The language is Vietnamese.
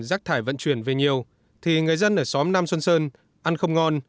rác thải vận chuyển về nhiều thì người dân ở xóm nam xuân sơn ăn không ngon